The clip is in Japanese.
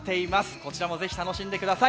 こちらもぜひ楽しんでください。